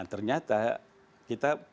nah ternyata kita pindah ke jahe